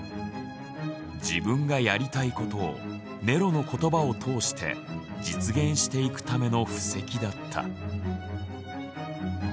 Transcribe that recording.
自分がやりたい事をネロの言葉を通して実現していくための布石だった。